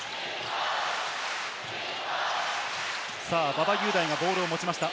馬場雄大がボールを持ちました。